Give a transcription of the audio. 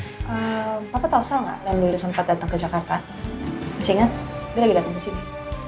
oh ya pak papa tahu sal nggak namun dia sempat datang ke jakarta masih ingat dia lagi datang ke sini